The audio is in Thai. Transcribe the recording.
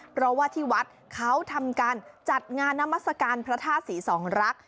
เพราะว่าที่วัดเขาทำการจัดงานนามัศกาลพระธาตุศรีสองรักษ